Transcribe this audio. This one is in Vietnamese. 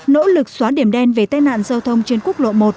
nỗ lực xóa điểm đen về tai nạn giao thông trên quốc lộ một